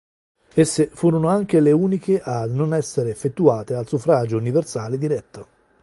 Esse furono anche le uniche ad non essere effettuate al suffragio universale diretto.